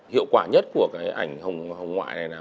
hiệu quả nhất của cái ảnh hồng ngoại này